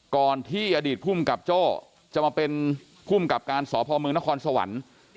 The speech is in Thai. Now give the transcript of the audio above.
ก่อนที่อดีตภูมิกับโจ้จะมาเป็นภูมิกับการสพมนครสวรรค์